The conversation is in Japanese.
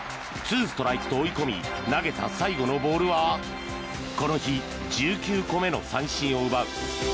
２ストライクと追い込み投げた最後のボールはこの日、１９個目の三振を奪う。